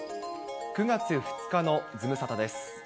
９月２日のズムサタです。